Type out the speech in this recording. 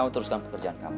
kamu teruskan pekerjaan kamu